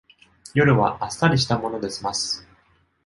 夜はあっさりしたもので済ます